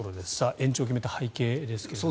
延長を決めた背景ですが。